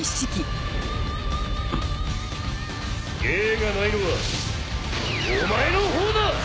芸がないのはお前のほうだ！